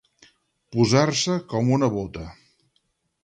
Posar-se com una bota.